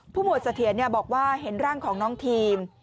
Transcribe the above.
หมวดเสถียรบอกว่าเห็นร่างของน้องทีม